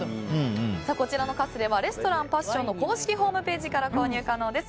こちらのカスレはレストラン・パッションの公式ホームページから購入可能です。